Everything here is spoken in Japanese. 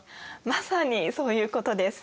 まさにそういうことです。